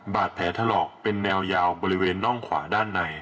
บาดแผลถลอกเป็นแนวยาวบริเวณน่องขวาด้านใน